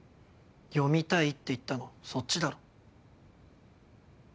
読みたいって言ったのそっちだろ。